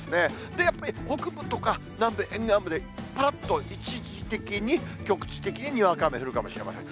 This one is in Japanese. で、やっぱり北部とか南部沿岸部でぱらっと一時的に、局地的ににわか雨降るかもしれません。